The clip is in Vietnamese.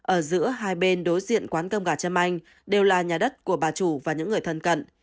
ở giữa hai bên đối diện quán cơm gà châm anh đều là nhà đất của bà chủ và những người thân cận